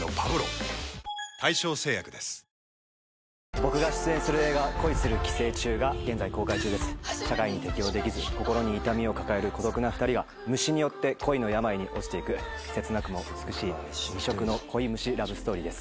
僕が出演する映画「恋する寄生虫」が現在公開中です社会に適応できず心に痛みを抱える孤独な２人が虫によって恋の病に落ちていくせつなくも美しい異色の“恋×虫”ラブストーリーです